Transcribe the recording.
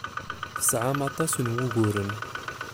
Tesɛam aṭas n wuguren.